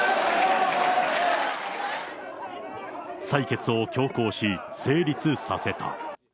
採決を強行し、成立させた。